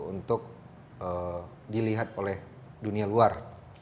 untuk dilihat oleh dunia luar